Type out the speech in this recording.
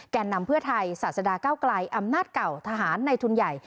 แก่นำเพื่อไทยศาสดาเก้าไกลอำนาจเก่าทหารในทุนใหญ่